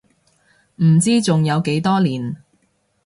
唔知仲有幾多年